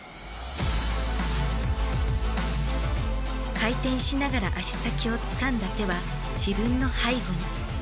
回転しながら足先をつかんだ手は自分の背後に。